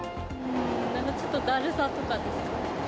なんかちょっとだるさとかですか。